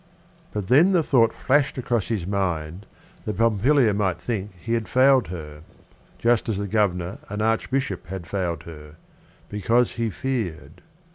But then the thought flashed across his mind that Pompilia might think he had failed her, just as the Governor and Archbishop had failed her, because he feared.